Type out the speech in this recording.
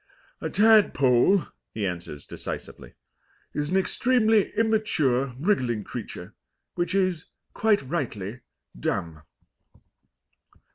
"A tadpole," he answers decisively, "is an extremely immature wriggling creature, which is, quite rightly, dumb."